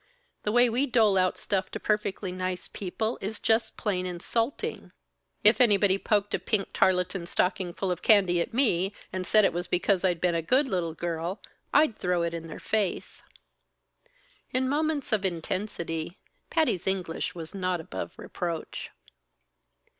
The way we dole out stuff to perfectly nice people, is just plain insulting. If anybody poked a pink tarlatan stocking full of candy at me, and said it was because I'd been a good little girl, I'd throw it in their face." In moments of intensity, Patty's English was not above reproach.